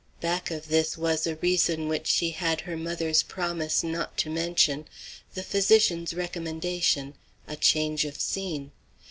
Back of this was a reason which she had her mother's promise not to mention, the physician's recommendation a change of scene.